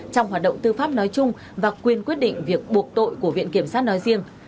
trong hoạt động tư pháp nói chung và quyền quyết định việc buộc tội của viện kiểm sát nói riêng